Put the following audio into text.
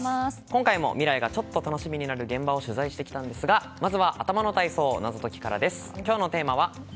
今回も未来がちょっと楽しみになる現場を取材してきたんですがまずは頭の体操です。